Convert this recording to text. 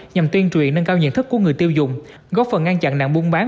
nhằm tuyên truyền nâng cao nhận thức của người tiêu dùng góp phần ngăn chặn nạn buôn bán